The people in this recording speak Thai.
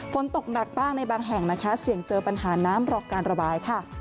ฝนตกหนักบ้างในบางแห่งนะคะเสี่ยงเจอปัญหาน้ำรอการระบายค่ะ